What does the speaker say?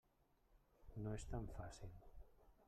No és tan fàcil.